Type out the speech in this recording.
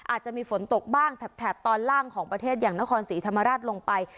อาจจะมีฝนตกบ้างแถบตอนล่างของประเทศอย่างนครศรีธรรมราชลงไป